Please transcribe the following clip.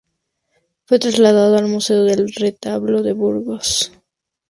Fue trasladado al Museo del Retablo de Burgos.